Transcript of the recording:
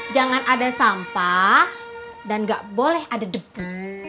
jangan ada sampah dan gak boleh ada debu